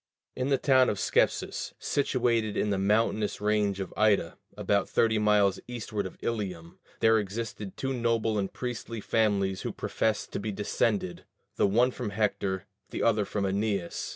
In the town of Scepsis, situated in the mountainous range of Ida, about thirty miles eastward of Ilium, there existed two noble and priestly families who professed to be descended, the one from Hector, the other from Æneas.